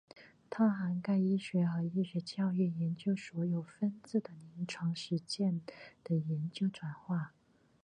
它涵盖医学和医学教育研究所有分支的临床实践的研究转化。